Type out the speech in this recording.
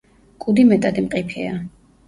კუდი მეტად მყიფეა.